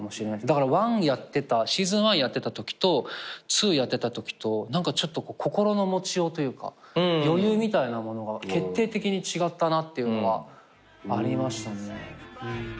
だからシーズン１やってたときと２やってたときとちょっと心の持ちようというか余裕みたいなものが決定的に違ったなっていうのはありましたね。